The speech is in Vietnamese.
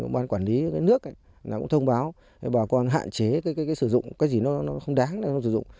bà con quản lý nước cũng thông báo bà con hạn chế cái sử dụng cái gì nó không đáng để sử dụng